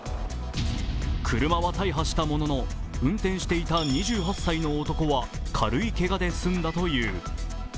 車は大破したものの、運転していた２８歳の男は軽いけがで済んだという。